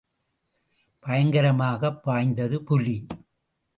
பயங்கரமாகப் பாய்ந்தது புலி.